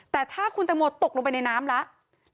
แต่ถ้าคุณตังโมตกลงไปในน้ำแล้ว